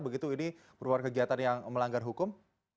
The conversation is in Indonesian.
begitu ini merupakan kegiatan yang melanggar hukum